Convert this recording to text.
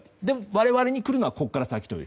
我々に来るのはここから先。